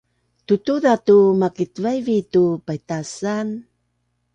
Tutuza tu makitvaivi tu paitasan